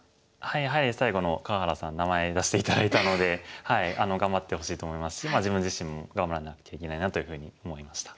やはり最後の河原さん名前出して頂いたので頑張ってほしいと思いますし自分自身も頑張らなきゃいけないなというふうに思いました。